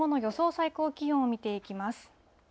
最高気温を見ていきます。